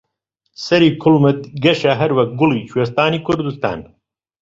سەری کوڵمت گەشە هەروەک گوڵی کوێستانی کوردستان